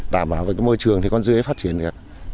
đảm bảo về cái môi trường thì con dươi phát triển được